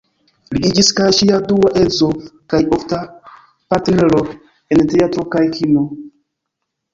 Li iĝis kaj ŝia dua edzo kaj ofta partnero en teatro kaj kino.